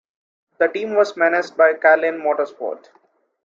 The team was managed by Carlin Motorsport.